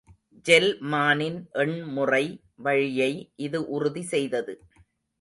Gel மானின் எண்முறை வழியை இது உறுதி செய்தது.